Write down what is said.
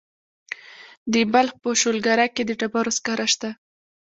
د بلخ په شولګره کې د ډبرو سکاره شته.